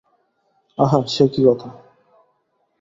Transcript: আহা সে কী কথা।